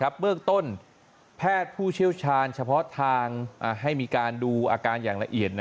เบื้องต้นแพทย์ผู้เชี่ยวชาญเฉพาะทางให้มีการดูอาการอย่างละเอียด